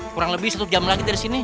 kurang lebih satu jam lagi dari sini